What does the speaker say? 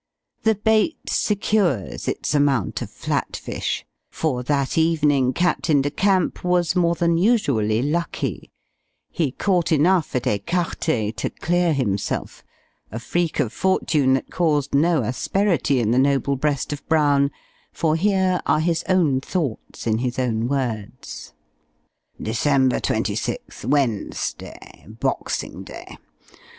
The bait secures its amount of flat fish; for that evening, Captain de Camp was more than usually lucky he caught enough at ecarté to clear himself; a freak of fortune that caused no asperity in the noble breast of Brown; for here are his own thoughts in his own words: "December 26_th_, Wednesday (Boxing day).